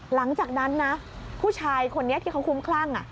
หลังจากนั้นนะผู้ชายคนนี้ที่เขาคุ้มคลั่ง